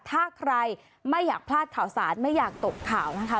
ถ้าใครไม่อยากพลาดข่าวสารไม่อยากตกข่าวนะคะ